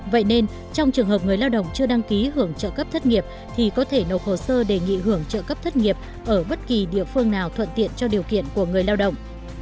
vậy nên trong trường hợp người lao động chưa đăng ký hưởng trợ cấp thất nghiệp thì có thể nộp hồ sơ đề nghị hưởng trợ cấp thất nghiệp ở bất kỳ địa phương nào thuận tiện cho điều kiện của người lao động